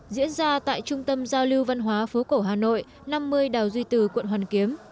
diễn ra tại trung tâm giao lưu văn hóa phố cổ hà nội năm mươi đào duy từ quận hoàn kiếm